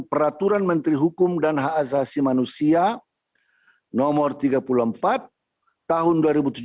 peraturan menteri hukum dan hak asasi manusia nomor tiga puluh empat tahun dua ribu tujuh belas